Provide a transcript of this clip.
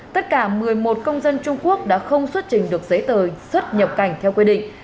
tất cả một mươi một công dân trung quốc đã không xuất trình được giấy tờ xuất nhập cảnh theo quy định